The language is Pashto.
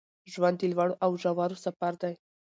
ژوند د لوړو او ژورو سفر دی